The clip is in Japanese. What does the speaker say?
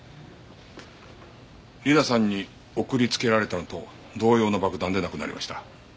理菜さんに送りつけられたのと同様の爆弾で亡くなりました。